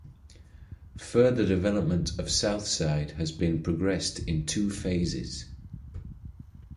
Further development of Southside has been progressed in two phases.